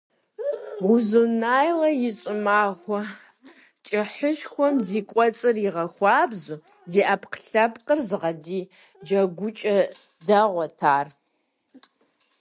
Узуняйла и щӀымахуэ кӀыхьышхуэм ди кӀуэцӀыр игъэхуабэу, ди Ӏэпкълъэпкъыр зыгъэдий джэгукӀэ дэгъуэт ар.